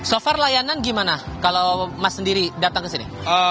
so far layanan gimana kalau mas sendiri datang ke sini